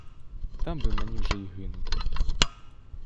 Там би мені вже й гинути.